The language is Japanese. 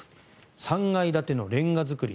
３階建てのレンガ造り